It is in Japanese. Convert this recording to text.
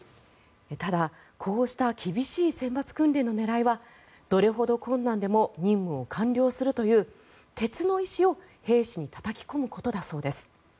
ただ、こうした厳しい選抜訓練の狙いはどれほど困難でも任務を完了するという鉄の意思を兵士にたたき込むことだそうです。